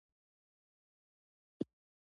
دهلېز لوی وو، خو ډېر خالي او چوپ وو.